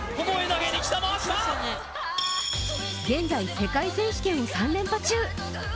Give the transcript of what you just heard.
現在、世界選手権を３連覇中。